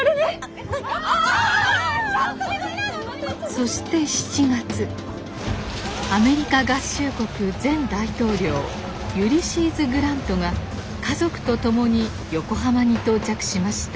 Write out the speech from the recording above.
そして７月アメリカ合衆国前大統領ユリシーズ・グラントが家族と共に横浜に到着しました。